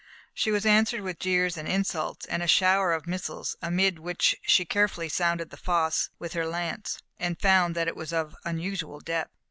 She was answered with jeers and insults and a shower of missiles, amid which she carefully sounded the fosse with her lance, and found that it was of unusual depth.